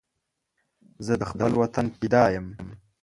زه د خپل وطن فدا یم